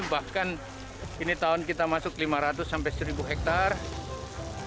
bahkan ini tahun kita masuk lima ratus sampai seribu hektare